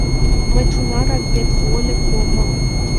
Мый тунарак вет вольык омыл...